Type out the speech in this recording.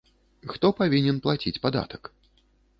Хто павінен плаціць падатак?